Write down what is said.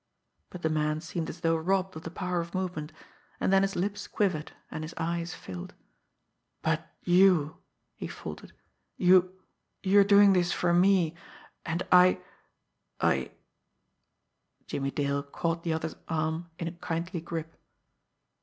But the man seemed as though robbed of the power of movement and then his lips quivered, and his eyes filled. "But you," he faltered, "you you're doing this for me, and I I " Jimmie Dale caught the other's arm in a kindly grip.